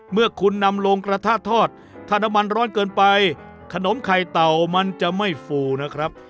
เมื่อคุณนำลงกระทะทอดถ้าน้ำมันร้อนเกินไปขนมไข่เต่ามันจะไม่ฟูนะครับ